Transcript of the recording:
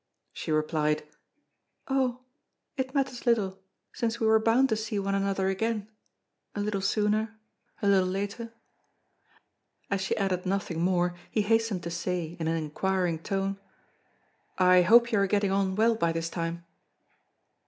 She replied: "Oh! it matters little, since we were bound to see one another again a little sooner a little later!" As she added nothing more, he hastened to say in an inquiring tone: "I hope you are getting on well by this time?"